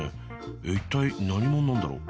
一体何者なんだろう。